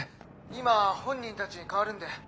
今本人たちに代わるんで。